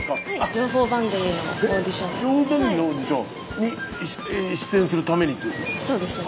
情報番組のオーディションに出演するためにっていうことですか？